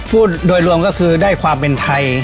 พูดโดยรวมก็คือได้ความเป็นไทย